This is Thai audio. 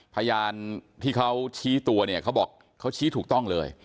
พยานที่เขาชี้ตัวเนี่ยเขาบอกเขาชี้ถูกต้องเลย